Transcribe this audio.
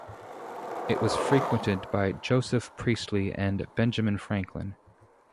It was frequented by Joseph Priestley and Benjamin Franklin.